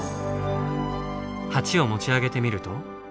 鉢を持ち上げてみると。